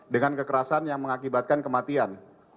dengan kekerasan yang mengakibatkan kematian